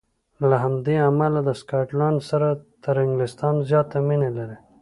له همدې امله د سکاټلنډ سره تر انګلیستان زیاته مینه لري.